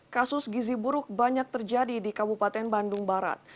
kasus gizi buruk banyak terjadi di kabupaten bandung barat